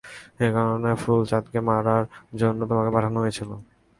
এ কারণে ফুলচাঁদকে মারার জন্য তোমাকে পাঠানো হয়েছিল।